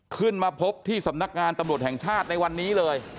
ขึ้นมาพบที่สำนักงานตำรวจแห่งชาติในวันนี้เลย